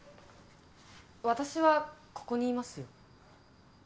私はここにいますよ。